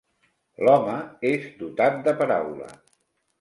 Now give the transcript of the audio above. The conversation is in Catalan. L'home és dotat de paraula.